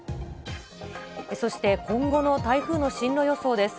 そして、今後の台風の進路予想です。